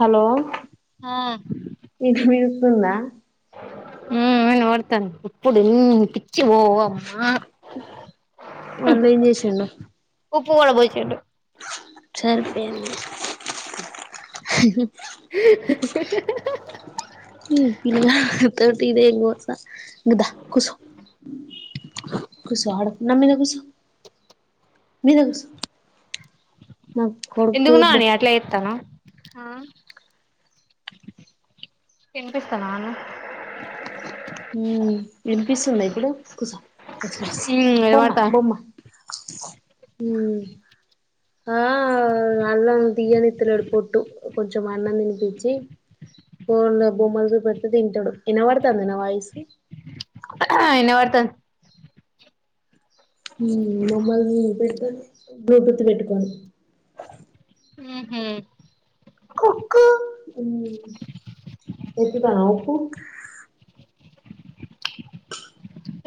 Hello ఆ ఇ మీరుస్తుంద ఆ నేను వినపడతాది ఇప్పుడు చ్చ పో అమ్మా మళ్ళ ఏం ఉప్పు కూడా పోచ్చటు సరిపోదీ ఈ పిల్లగాడు తోటి ఇదే గోస కుసో ఆడకున్నా మీద కుసో మీద కుసో ఎందుకు నాని అట్లా ఏతనా తినిపిస్తాను అవున్న వినిపిస్తుంద ఇప్పుడుస ఉమ్ బొమ్మ వినపడతాంది బొమ్మ మ్ [inaudible] ఆ అన్నం తీయ్యానితలేదు పోటు కొంచెం అన్నం తినిపించి ఫోన్ బొమ్మలతో చూబేడితేయ్ తింటాడు ఇనబడతాదా నా వాయిసు ఆ ఇనబడతాది మమ్మల్ని జపేటు గుర్తుపెట్టుకోండి ఉహు ఎంతతా ఉప్పు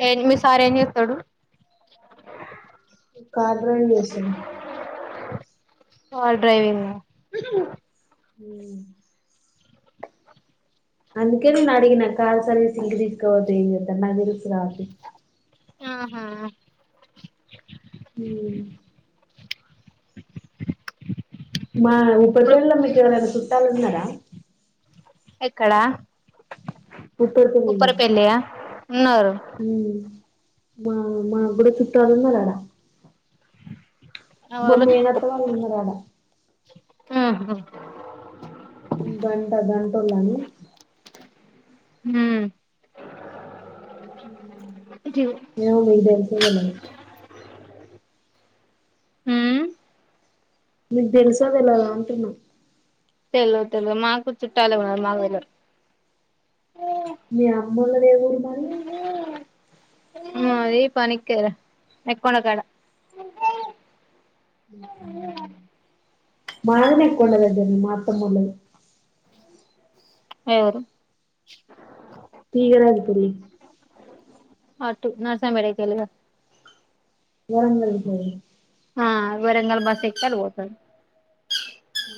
ఏమ్ మీ సార్ ఏం చేస్తాడు కార్ డ్రైవ్ చేస్తాను కార్ డ్రైవింగ్ ఉ అందుకే నేనడిగినా కార్ సర్వీసింగ్ ఇంటికి తీసుకుపోతే ఏం జేతడ్ నాకు తెలుసు కాబట్టి ఆహా ఉమ్ మా ఇప్పుడు ఉప్పరిపెళ్ళిలో మీకు ఎవరైనా చుట్టాలన్నారా ఎక్కడా ఉప్పరిపెళ్ళిలో ఉన్నారు మ్మ్ మా మకుడా చుట్టాలు ఉన్నారు అడా మా ఎవలు మేనత్త వాళ్లు ఉన్నారు అడా ఉహు గంట గంటలోల మ్మ్ ఏ ఉ మైదసల ఉమ్ మీకు తెలుస తెల్వదా అంటున్నా తెల్వదు మాకు చుట్టాల ఉన్నారు మాకురు మీ అమ్మోలాది ఏ ఊరు మరి ఊ అది పనికి కదా ఎకున కడ లేక మా దగ్గర నే ఎక్కో ఉండ దగ్గరది మా అత్తమ్మోలది ఎవరు తీగ రాజుపెల్లి అట్టు నర్సంపేట కెలిగా వరంగల్ కి ఆ వరంగల్ బస్ ఎక్కి ఆల్ పోతల్ ఊ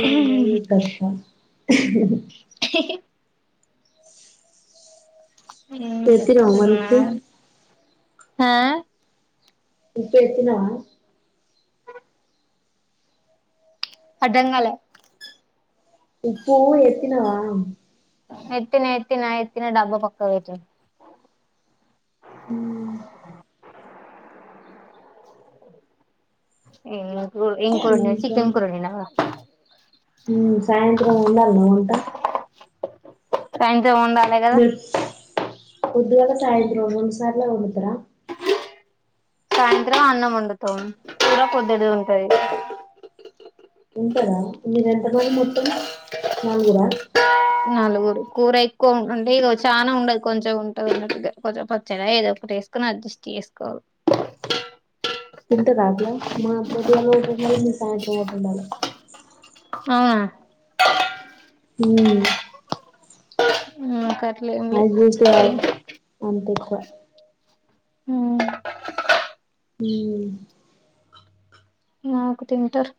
ఏందో ఈ కష్టాలు [unintelligible] ఏం పెతినవ మరి ఉప్పి చేస్తున్నావ్ ఆ ఉప్పు ఎతినవా అర్థం కాలే ఉప్పు ఎత్తినవా ఎతిన ఎతిన ఎతిన డబ్బ పక్కక్ వెట్టిన ఊ ఏం లేదు ఇంకా ఊ సాయంత్రం ఉండాలి నేను వుంట సాయంత్రం ఉండాలే కదా మీరు పొద్దుగాల సాయంత్రం రెండు సార్ల తోమితరా సాయంత్రం అన్నం వండుతాం కూర పొద్దటిది ఉంటది ఉంటరా మీరు ఎంతమంది మొత్తం నలుగురా నలుగురు కూర ఎక్కువ ఉం అంటే ఇగొ చానా ఉండదు కొంచెం ఉంటది ఉన్నట్టు కొంచెం పచ్చడ ఏదో ఒకటి చేసుకొని అడ్జస్ట్ చేసుకోవ్ తింటరా అట్ల మా పొద్దుగాల ఓటు ఉండాలి మీ సాయంత్రం ఓటుండాలి అవునా ఊ ఊ నాకట్లేం లే వేస్ట్ కాదు అంత ఎక్కువ ఊ ఊ నాకు తింటర్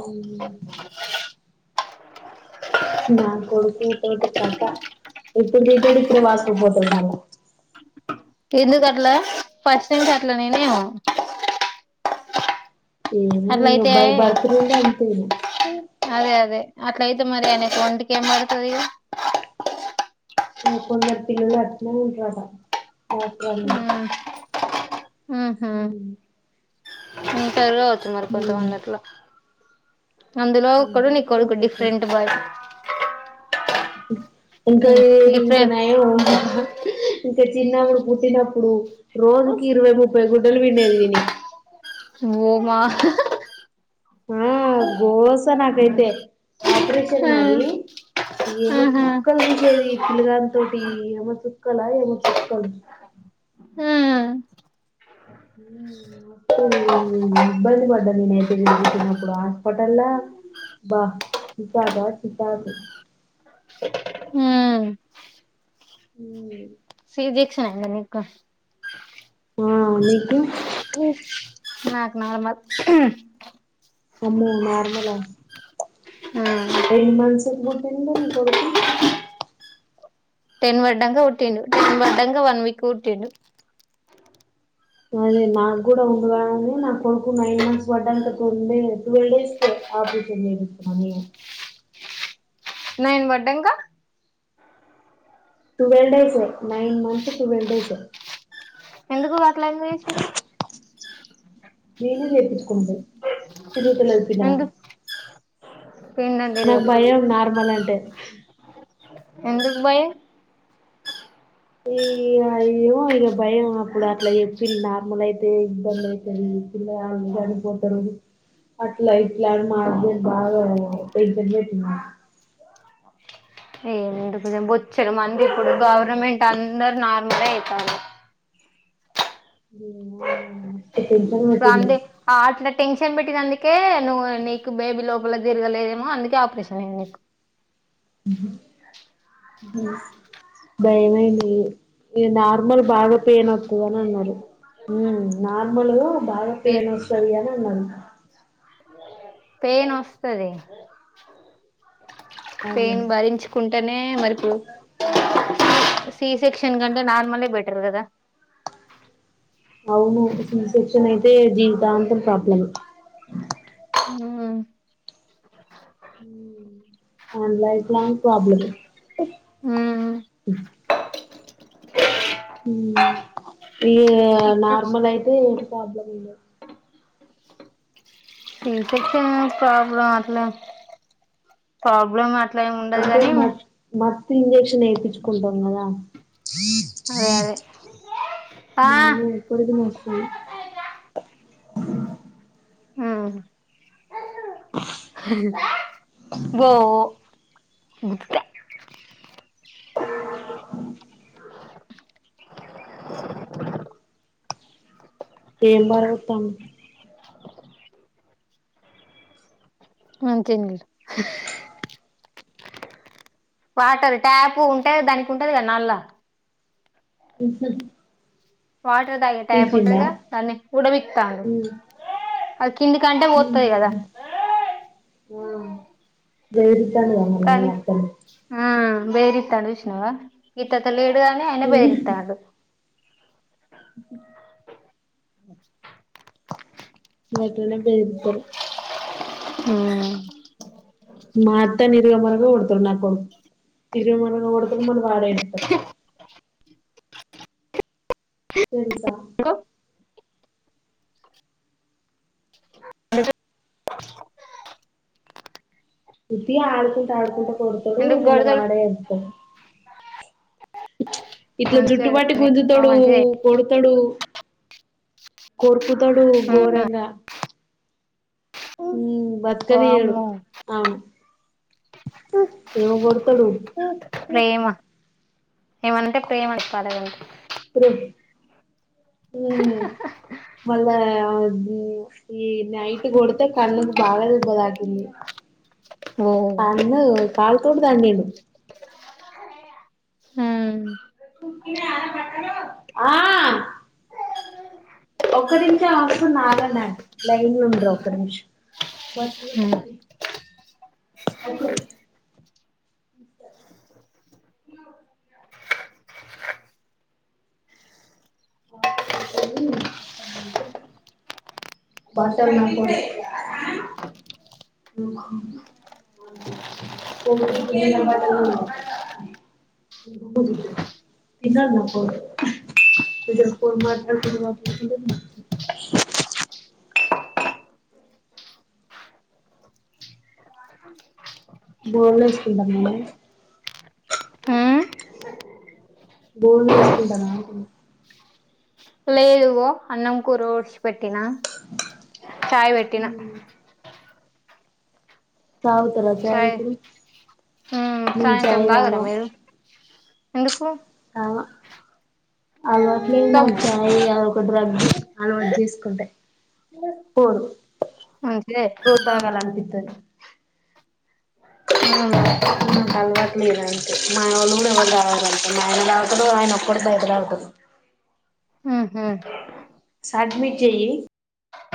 అవునూ నా కొడుకు తోటి కథ ఇపుడు తింటడు ఇప్పుడే వాసుకు పోతడు మళ్ల ఎందుకట్ల ఫస్ట్ టైం కు అట్లనెమో ఏమో ఏమో ఇగ అట్లయితే బై బర్త్ నుండి అంతే ఈయన అదే అదే అట్లా అయితే మరి అయినకి ఒంటికి ఏం పడత ఇగ లోకం ల పిల్లలు అట్నే ఉంటరట ఊ ఆహ ఉంటరు కావచ్చు మరి ఉమ్ కొంతమంది అట్లా అందులో ఒకడు అందరూ నీ కొడుకు ఒక్కొక్కరు డిఫరెంట్ బాయ్ ఇంకా యే ఇంకా డిఫరెంట్ నయం ఇంకా తే చిన్నపుడు పుట్టినప్పుడు రోజుకి ఇరవై ముప్పై గుడ్డలు విండేది వినీయ్ ఓ మా [unintelligible] ఆ గోస నాకైతే ఆపరేషన్ అది ఏమో ఆహా చుక్కలు చూసేది పిల్లగాని తోటి ఏమో చుక్కలా ఏమో చుక్కలు అవును మస్తు ఇబ్బంది పడ్డా నేనుతే వీడు పుట్టినప్పుడు హాస్పిటల వాహ్ చీకాకు ఆ చికాకు ఉమ్ సి సెక్షన్ అంద నీకు ఆ నీకు నాకు నార్మల్ అమ్మో నార్మలా ఎన్ మన్ ఎపుడు బుట్టిండు నీ కొడుకు టెన్ పడ్డాక పుట్టిండు టెన్ పడ్డాక వన్ వీక్ కి పుట్టిండు అదే నాకు కూడా ఉండుగాని నా కొడుకు నైన్ మంత్స్ పడ్డంక డ ట్వెల్వ్ డేస్కే ఆపరేషన్ చేపించుకున్న ఇగ నైను పడ్డంక టువెల్ డేస్ ఏ నైన్ మంతస్ టటువల్వ్ డేస్ ఏ ఎందుకు అట్ల ఎందుకు చేశిర్రు నేనే చేపించుకున్న తిరుగుతలేదు పిండం అని ఎందుకు పిండం నాకు తిరగదు భయం నార్మల్ అంటే ఎందుకు భయం ఈ అ ఏమో ఇక భయంన్నప్పుడు అట్లా చేప్పిళ్ళు నార్మల్ అయితే ఇబ్బంది అయితది ఇప్పుడగ చనిపోతారు. అట్లా ఇట్లా అని మా హస్బెండ్ బాగా టెన్షన్ పెట్టిండు ఎందుకు ఈ వచ్చాడు మంది ఇప్పుడు గవర్నమెంట్ అందరు నార్మల్ ఏ అయితాన్లు ఏమో ఇగ మస్తు టెన్షన్ ర పెట్టిండు అట్ల టెన్షన్ బే ట్టి అందుకే నువ్వు నీకు బేబీ లోపల తిరగలేదేమో అందుకే ఆపరేషన్ అయ్యింది నీకు భయమైంది ఇగ నార్మల్ బాగా పెయిన్ ఒస్తది అని అన్నారు ఉమ్ నార్మలు బాగా పెయిన్ ఒస్తది అని ఆ పెయిన్ ఒస్తది అదే పెయిన్ భరించుకుంటేనే మరిపు సి సెక్షన్ కంటే నార్మల్ బెటర్ గదా అవును సి శిక్షన్ అయితే జీవితాంతం ప్రాబ్లమే ఊమ్ ఊమ్ ఆ లైఫ్ లాంగ్ ప్రాబ్లమే ఈ సి నార్మల్ అయితే ఏ ప్రాబ్లం వుండదు స [unintelligible] సి సెక్షన్ ప్రబ్లమ్ అట్ల ప్రబ్లం అట్ అంటే మత్ మత్తు ఇంజెక్షన్ ఏపిచుకుంటాం గదా అదే అదే ఆ నడుము ఇప్పటికి నొస్తది ఊమ్ ఒ [unintelligible] [unintelligible] ఏం బరవోతన్నవు అంతే ఇంగ వాటర్ ట్యాప్ ఉంటే దానికి ఉంటది గదా నల్లా ఊహ్మ్ వాటర్ దాగే టాప్ ఉంటదిగా దాన్ని ఉడబిక్తాండ్రు అది కింది కంటే ఒతది గదా ఆ వేరుతనవ్ మరి మీ అత్త బేరితండు ఉష్ణవా గితత లేడుగానే అయిన బేరితండు ఓకే [unintelligible] గట్లనే బెదిరితరు ఊమ్ ఏమన్నా గూడ కొడుతడు నా కొ తిరుగ మర కొడతడు మళ్ల వాడే ఎడ్తడు తెలుసా కుతి ఆడుకుంటా ఆడుకుంటా కొడతడు ఎందుకు మళ గొడవలు వాడే ఎడతడు ఇట్ల జుట్టు మంచోడే వట్టీ గుంజుతడు మంచిదే కో కొడుతడు కో కుతడు ఉమ్ ఘోరంగా ఊమ్ బతుకనీయడు వామ్మో ఆ ఏం గొడ్తడు ప్రేమ ఏమనంటే ప్రేమ అని జెప్పాలి వాళ్లకి ఊమ్ మళ్ళా ఆ ఊమ్ ఈ నైట్ కొడుతే కన్నుకు బాగా దెబ్బ దాకింది ఓ కన్ను కాల్ తోటి తన్నిండు ఊమ్ ఆ ఒక నిమిషం ఒస్తున్న ఆగండి అం లైన్లుండ్రు ఒక నిమిషం బధ ఉమ్ [unintelligible] [unintelligible] మాట కొడుతుంది అని అంటే బటల్ ఉండయ్ ఊహ్మ్ ద తన్న నాపో [unintelligible] కొ మాట కొ మాకుంట బాగునేసుకుంటాం మే ఉమ్ బోర్లు వేసుకుంటార అంటును ఇలా ఏదుగో అన్నం కూరు ఒడిచి పెట్టిిన చయ వెటినా చ ఉతరా చ చాయ్ ఇక్కడ ఉమ్ సాయంత్రం దాగరా మీరు ఎందుకు అట్లే తాగు నాజయి కు్ర అలవాటు చేసుకుంటే పోరు మంచిదే రోసాగాాల అంతపితే ఉమ్ ఏ నా క అల్వాట్లు ఇరడి నా వాళ్ళగు ఎవ రావారుంట నాయనతడు ఆయన ఒప్పుడు ద ఎదురవుతడు ఉహు స అడ్మిట్ చెయ్యయి